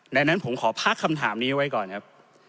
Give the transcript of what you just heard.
ดังนั้นผมขอพักคำถามนี้ไว้ก่อนครับ